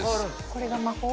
これが魔法？